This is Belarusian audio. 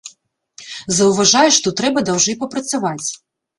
Заўважае, што трэба даўжэй папрацаваць.